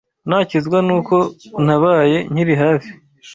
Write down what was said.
Nakizwa n’uko untabaye nkiri hafi